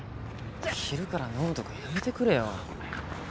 昼から飲むとかやめてくれよ。